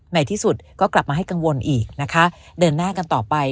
ในที่สุดก็กลับมาให้กังวลอีกนะคะเดินหน้ากันต่อไป